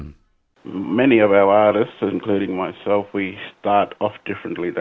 banyak artis kita termasuk saya kita mulai berbeda beda